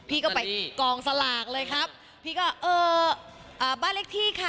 พี่ก็ไปกองสลากเลยครับพี่ก็เอออ่าบ้านเลขที่ค่ะ